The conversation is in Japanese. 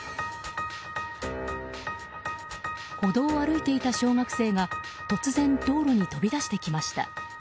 歩道を歩いていた小学生が突然道路に飛び出してきました。